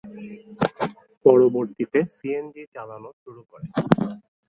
পরবর্তীতে সিএনজি চালানো শুরু করে।